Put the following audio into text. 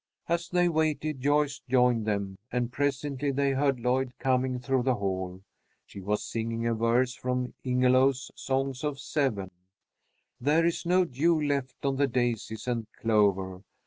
As they waited, Joyce joined them, and presently they heard Lloyd coming through the hall. She was singing a verse from Ingelow's "Songs of Seven:" "'There is no dew left on the daisies and clover.